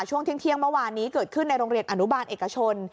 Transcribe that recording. ช่วงเที่ยงเมื่อวานนี้เกิดขึ้นในโรงเรียนอนุบาลเอกชน